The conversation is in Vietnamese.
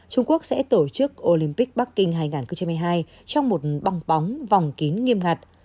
trung quốc sẽ tổ chức olympic bắc kinh hai nghìn hai mươi hai trong một băng bóng vòng kín nghiêm ngặt